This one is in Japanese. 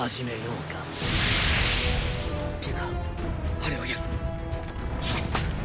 あれをやる。